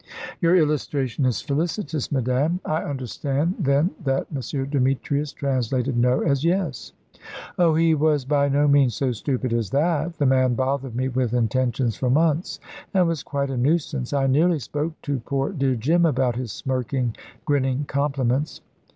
"Your illustration is felicitous, madame. I understand, then, that M. Demetrius translated 'No' as 'Yes'!" "Oh, he was by no means so stupid as that. The man bothered me with attentions for months, and was quite a nuisance. I nearly spoke to poor dear Jim about his smirking, grinning compliments.